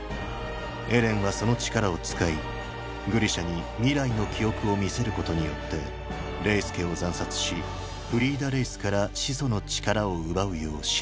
エレンはその力を使いグリシャに未来の記憶を見せることによってレイス家を惨殺しフリーダ・レイスから始祖の力を奪うよう仕向けた。